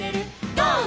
ゴー！」